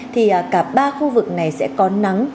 thì cả ba khu vực này sẽ có nắng